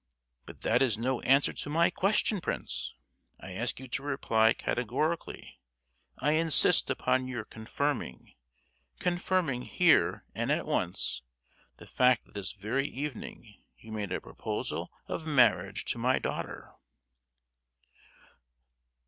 "But that is no answer to my question, Prince. I ask you to reply categorically. I insist upon your confirming—confirming here and at once—the fact that this very evening you made a proposal of marriage to my daughter!"